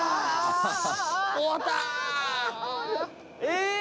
え